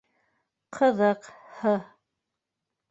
Ҡыҙыҡ, һы...